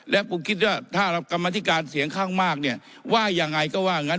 และผมคิดว่าถ้ากรรมธิการเสียงข้างมากเนี่ยว่ายังไงก็ว่างั้น